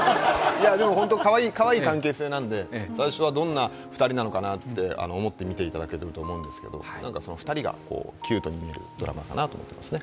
でも本当にかわいい関係性なんで、最初はどんな２人なのかなと思って見ていただけるとおもッルンですけど２人がキュートに見えるドラマかなと思っていますね。